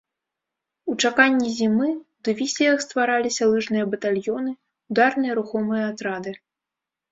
У чаканні зімы ў дывізіях ствараліся лыжныя батальёны, ударныя рухомыя атрады.